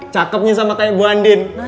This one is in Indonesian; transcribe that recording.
cakepnya sama kayak bu anding